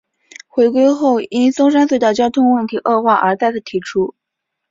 回归后因松山隧道交通问题恶化而再次提出。